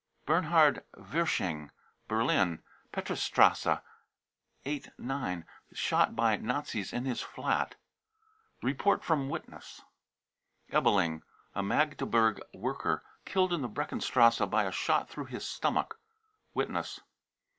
bernhard wirsching, Berlin, Petristrasse 8 /g, shot by Nazis in his flat. (Report from witness.) ebeling, a Magdeburg worker, killed in the Breckenstrasse by a shot through his stomach. (Witness.)